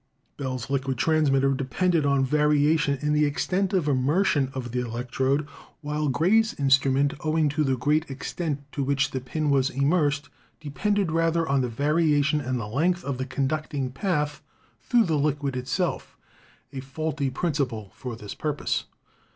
Bell's liquid transmitter depended on variation in the extent of immersion of the electrode, while Gray's in strument, owing to the great extent to which the pin was immersed, depended rather on the variation in the length of the conducting path through the liquid itself, a faulty principle for this purpose.